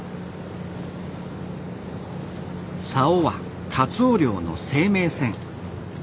さおはカツオ漁の生命線。